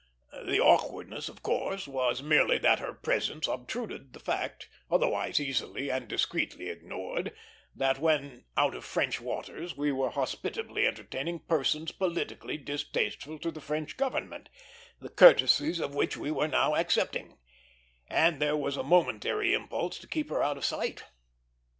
The awkwardness, of course, was merely that her presence obtruded the fact, otherwise easily and discreetly ignored, that when out of French waters we were hospitably entertaining persons politically distasteful to the French government, the courtesies of which we were now accepting; and there was a momentary impulse to keep her out of sight.